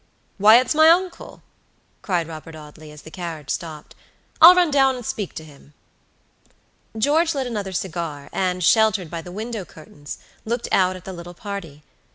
"Why, it's my uncle," cried Robert Audley, as the carriage stopped. "I'll run down and speak to him." George lit another cigar, and, sheltered by the window curtains, looked out at the little party.